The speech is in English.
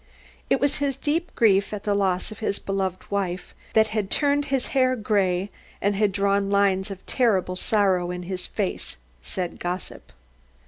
It was his deep grief at the loss of his beloved wife that had turned his hair grey and had drawn lines of terrible sorrow in his face said gossip.